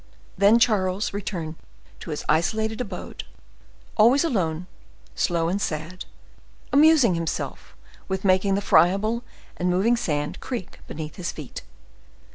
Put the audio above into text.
Then Charles returned to his isolated abode, always alone, slow and sad, amusing himself with making the friable and moving sand creak beneath his feet.